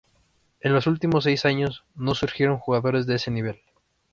En los últimos seis años no surgieron jugadoras de ese nivel.